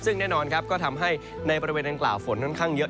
ซึ่งแน่นอนครับก็ทำให้ในบริเวณดังกล่าวฝนค่อนข้างเยอะ